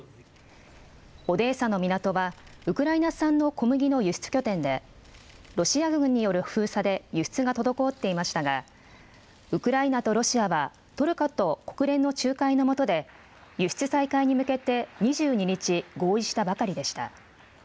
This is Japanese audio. オデーサの港は、ウクライナ産の小麦の輸出拠点で、ロシア軍による封鎖で輸出が滞っていましたが、ウクライナとロシアは、トルコと国連の仲介のもとで、輸出再開に向けて２２日、合意したばかりでした。